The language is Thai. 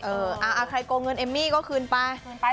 ใครโกงเงินเอมมี่ก็คืนไป